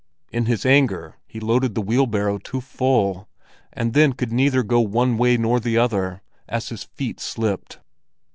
In his anger he loaded the wheelbarrow too full, and then could neither go one way nor the other, as his feet slipped.